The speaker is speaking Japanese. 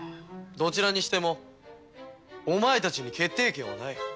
どちらにしてもお前たちに決定権はない。